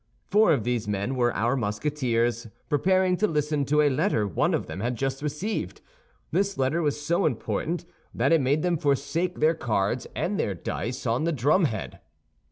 Four of these men were our Musketeers, preparing to listen to a letter one of them had just received. This letter was so important that it made them forsake their cards and their dice on the drumhead.